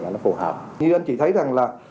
nó phù hợp như anh chị thấy rằng là